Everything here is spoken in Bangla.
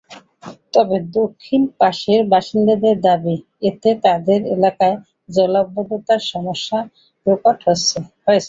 তবে দক্ষিণ পাশের বাসিন্দাদের দাবি, এতে তাঁদের এলাকায় জলাবদ্ধতার সমস্যা প্রকট হয়েছে।